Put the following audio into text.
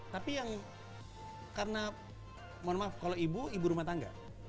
tapi yang karena mohon maaf kalau ibu ibu rumah tangga